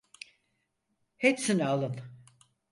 Hepsini alın.